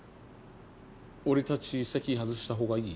俺たち席外したほうがいい？